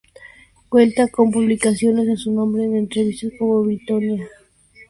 Cuenta con publicaciones a su nombre en revistas como "Brittonia" y "Novon".